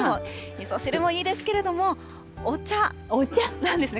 みそ汁もいいですけれども、お茶なんですね。